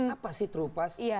apa sih trupas